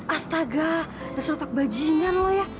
astaga udah serotak bajingan lo ya